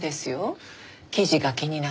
記事が気になって。